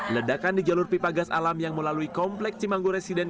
ledakan di jalur pipa gas alam yang melalui komplek cimanggu residen